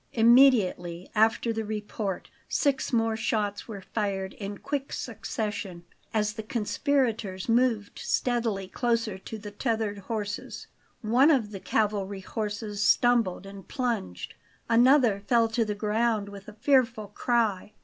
Immediately after the report, six more shots were fired in quick succession, as the conspirators moved steadily closer to the tethered horses. One of the cavalry horses stumbled and plunged; another fell to the ground with a fearful cry.